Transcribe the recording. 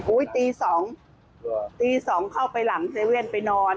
อุ๊ยตี๒ตี๒เข้าไปหลังเซเว่นไปนอน